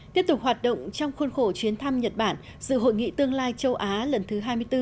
tiếp tục hoạt động trong khuôn khổ chuyến thăm nhật bản dự hội nghị tương lai châu á lần thứ hai mươi bốn